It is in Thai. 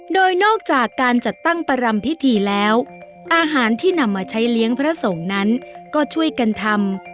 โดยนอกจากการจัดตั้งประรำพิธีแล้วอาหารที่นำมาใช้เลี้ยงพระสงฆ์นั้นก็ช่วยกันทำ